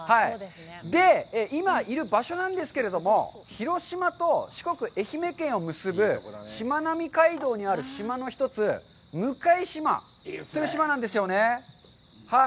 で、今いる場所なんですけれども、広島と四国・愛媛県を結ぶしまなみ海道にある島の一つ、向島という島なんですよね。